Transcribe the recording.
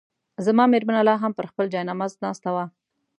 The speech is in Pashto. زما مېرمنه لا هم پر خپل جاینماز ناسته وه.